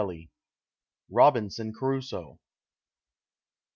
ROBINSON CRUSOE.